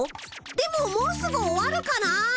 でももうすぐ終わるかな。